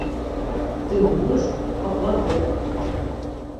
Тым больш, па кватэрах.